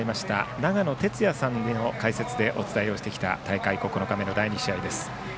長野哲也さんの解説でお伝えをしてきた大会９日目の第２試合です。